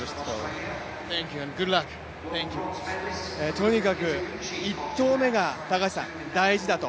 とにかく、１投目が大事だと。